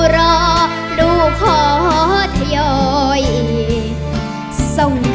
ส่งเคียง